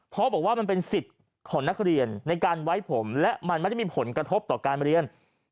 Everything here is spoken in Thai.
เพราะบอกว่ามันเป็นสิทธิ์ของนักเรียนในการไว้ผมและมันไม่ได้มีผลกระทบต่อการเรียน